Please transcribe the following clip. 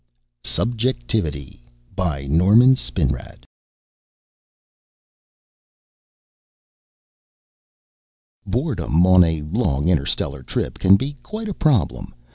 subjectivity Boredom on a long, interstellar trip can be quite a problem